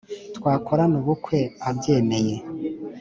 twakorana ubukwe abyemeye